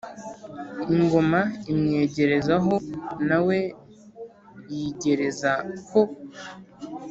ingoma imwigereza ho na we yigereza ho,